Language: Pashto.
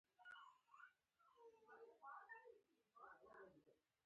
هر یو نامعلومه راتلونکې وېرولی دی